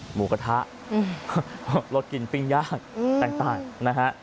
หมูกระทะรสกินปิ้งย่างต่างนะฮะ